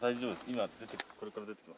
今これから出てきます。